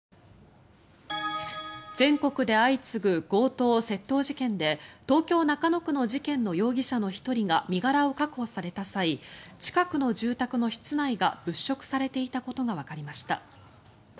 全国で相次ぐ強盗・窃盗事件で東京・中野区の事件の容疑者の１人が身柄を確保された際近くの住宅の室内が物色されていたことがわかりました。